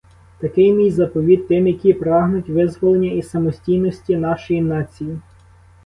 Такий мій заповіт тим, які прагнуть визволення і самостійності нашої нації.